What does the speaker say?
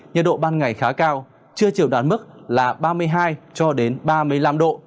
nhiệt độ ban ngày khá cao chưa chịu đoán mức là ba mươi hai ba mươi năm độ